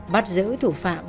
bắt giữ thủ phạm